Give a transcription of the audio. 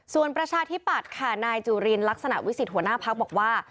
ส่วนประชาธิปัตย์ค่ะนายจุลินลักษณะวิสิทธิหัวหน้าพักบอกว่า